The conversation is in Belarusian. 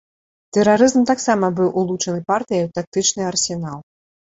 Тэрарызм, таксама быў улучаны партыяй у тактычны арсенал.